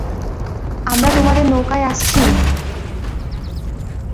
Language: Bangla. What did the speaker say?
আমরা তোমাদের নৌকায় আসছি!